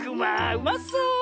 うまそう。